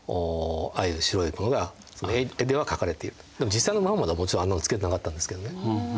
実際のムハンマドはもちろんあんなのつけてなかったんですけどね。